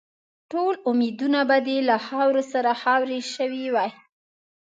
ټول امیدونه به دې له خاورو سره خاوري شوي وای.